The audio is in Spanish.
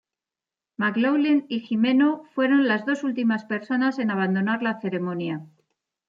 McLoughlin y Jimeno fueron las dos últimas personas en abandonar la ceremonia.